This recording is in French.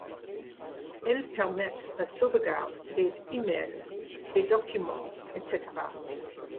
Elles permettent la sauvegarde des emails, des documents, etc.